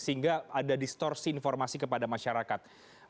sehingga ada distorsi informasi kepada masyarakat